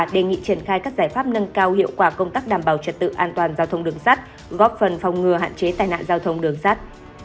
đề nghị triển khai các giải pháp nâng cao hiệu quả công tác đảm bảo trật tự an toàn giao thông đường sắt góp phần phòng ngừa hạn chế tai nạn giao thông đường sắt